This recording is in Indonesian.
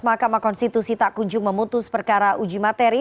mahkamah konstitusi tak kunjung memutus perkara uji materi